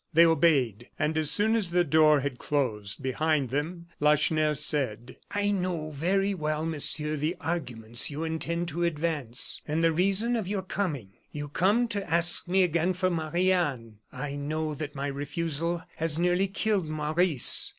They obeyed, and as soon as the door had closed behind them, Lacheneur said: "I know very well, Monsieur, the arguments you intend to advance; and the reason of your coming. You come to ask me again for Marie Anne. I know that my refusal has nearly killed Maurice.